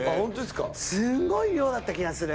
すごい量だった気がする。